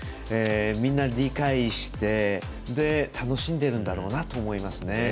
みんな、理解して楽しんでいるんだろうなと思いますね。